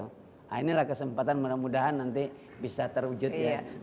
nah inilah kesempatan mudah mudahan nanti bisa terwujud ya